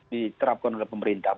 diterapkan oleh pemerintah